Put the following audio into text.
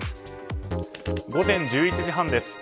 午前１１時半です。